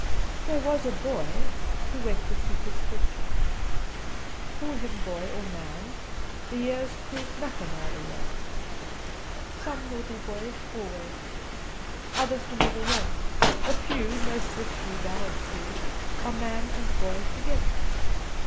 There was a Boy who went to seek his fortune. Call him boy or man: the years proved nothing either way! Some will be boyish always; others were never young: a few most richly dowered few are man and boy together.